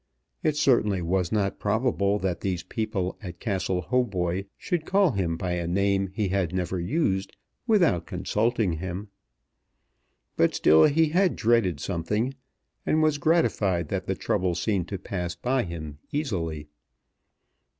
It certainly was not probable that these people at Castle Hautboy should call him by a name he had never used without consulting him. But still he had dreaded something, and was gratified that the trouble seemed to pass by him easily.